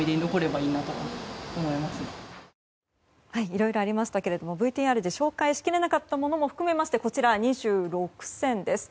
いろいろありましたがＶＴＲで紹介しきれなかったものも含めましてこちら、２６選です。